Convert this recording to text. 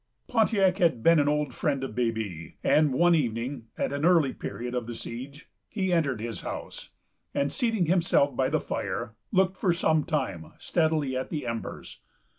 Pontiac had been an old friend of Baby; and one evening, at an early period of the siege, he entered his house, and, seating himself by the fire, looked for some time steadily at the embers.